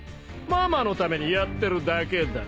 ママのためにやってるだけだ。